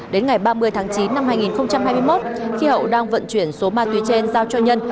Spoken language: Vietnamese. đến ngày ba mươi tháng chín năm hai nghìn hai mươi một khi hậu đang vận chuyển số ma túy trên giao cho nhân